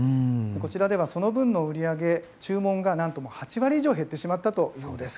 こちらではその分の売り上げ、注文がなんと８割以上減ってしまったというんです。